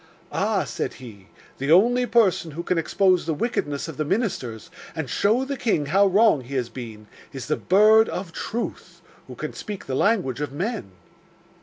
"Ah," said he, "the only person who can expose the wickedness of the ministers and show the king how wrong he has been, is the Bird of Truth, who can speak the language of men."